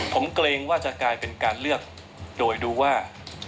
ผมเกรงว่าจะกลายเป็นการเลือกโดยดูว่า